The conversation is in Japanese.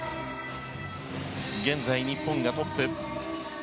現在、日本がトップ。